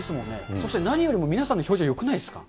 そして何よりも皆さんの表情、よくないですか。